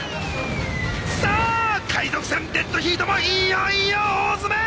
さあ海賊船デッドヒートもいよいよ大詰め！